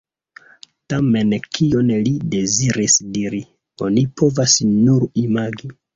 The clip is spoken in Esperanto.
Tamen kion li deziris diri, oni povas nur imagi.